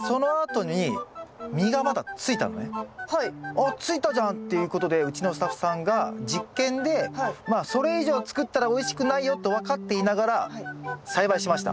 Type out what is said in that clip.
あっついたじゃんっていうことでうちのスタッフさんが実験でそれ以上作ったらおいしくないよと分かっていながら栽培しました。